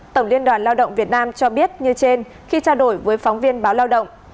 tổng liên đoàn lao động việt nam cho biết như trên khi trao đổi với phóng viên báo lao động